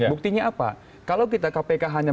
buktinya apa kalau kita kpk hanya